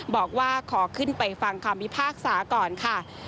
บอกว่าขอขึ้นไปฟังคำพิพากษาก่อนค่ะ